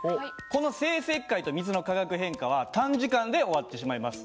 この生石灰と水の化学変化は短時間で終わってしまいます。